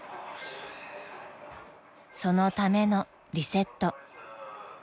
［そのためのリセット］